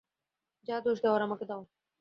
যা দোষ দেওয়ার আমাকে দাও।